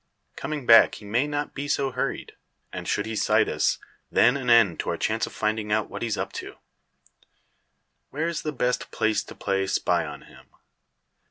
Coming back he may not be so hurried; and should he sight us, then an end to our chance of finding out what he's up to. Where's the best place to play spy on him?"